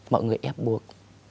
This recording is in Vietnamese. mọi người ép buộc